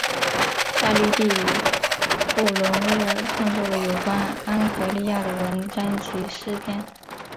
夏绿蒂与布伦威尔创作了有关安格利亚的文章及诗篇。